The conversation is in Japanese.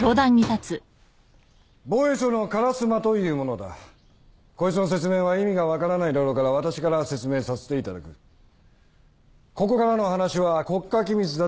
防衛省の烏間という者だこいつの説明は意味が分からないだろうから私から説明させていただくここからの話は国家機密だと理解いただきたい